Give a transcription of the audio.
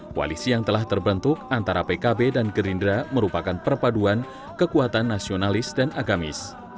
koalisi yang telah terbentuk antara pkb dan gerindra merupakan perpaduan kekuatan nasionalis dan agamis